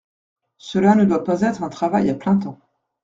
Cela ne doit pas être un travail à plein temps.